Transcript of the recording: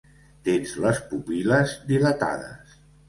Tens les pupil·les dilatades.